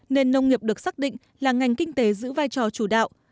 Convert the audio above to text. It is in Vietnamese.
nên nông nghiệp được xác định là ngành kinh tế giữ vai trò chủ đạo